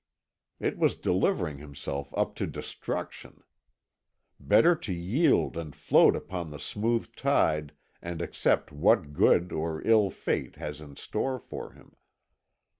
It was delivering himself up to destruction. Better to yield and float upon the smooth tide and accept what good or ill fate has in store for him.